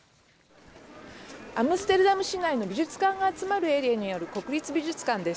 アムステルダム市内の美術館が集まるエリアにある国立美術館です。